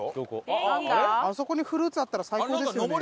あそこにフルーツあったら最高ですよね。